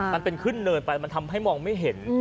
มันเป็นขึ้นเนินไปมันทำให้มองไม่เห็น